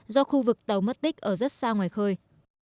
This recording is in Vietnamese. do khu vực tàu mất tích ở rất xa ngoài khơi